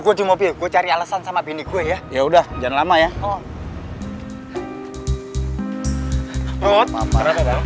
gue di mobil gue cari alasan sama bini gue ya ya udah jangan lama ya